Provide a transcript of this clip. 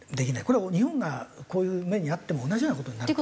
これは日本がこういう目に遭っても同じような事になる。